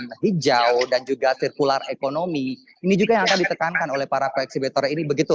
dan hijau dan juga sirkular ekonomi ini juga yang akan ditekankan oleh para ko eksibitor ini